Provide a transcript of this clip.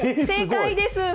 正解です。